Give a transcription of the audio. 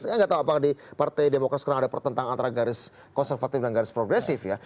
saya nggak tahu apakah di partai demokrat sekarang ada pertentangan antara garis konservatif dan garis progresif ya